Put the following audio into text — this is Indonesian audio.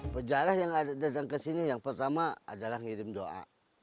pejarah yang datang ke sini yang pertama adalah ngirim doa